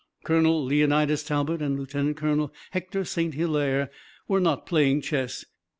Colonel Leonidas Talbot and Lieutenant Colonel Hector St. Hilaire were not playing chess.